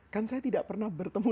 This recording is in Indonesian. kan saya tidak pernah bertemu